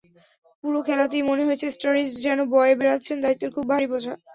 পুরো খেলাতেই মনে হয়েছে স্টারিজ যেন বয়ে বেড়াচ্ছেন দায়িত্বের খুব ভারী বোঝা।